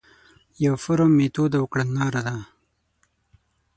یو فورم، میتود او کڼلاره ده.